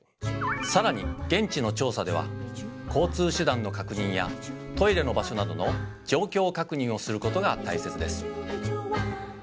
さらに現地の調査では交通手段の確認やトイレの場所などの状況確認をすることがたいせつです。